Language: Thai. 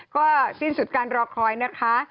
ก็สิ้นสุดการรอคอยนะคะ